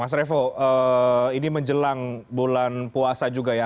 mas revo ini menjelang bulan puasa juga ya